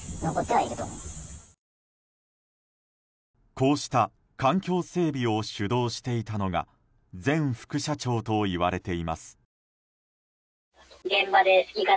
こうした環境整備を主導していたのが前副社長といわれています。